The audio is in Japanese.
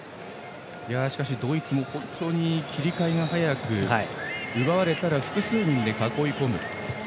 しかし、ドイツも本当に切り替えが早く奪われたら複数人で囲い込む。